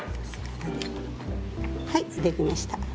はいできました。